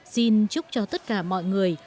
xin chúc cho tất cả mọi người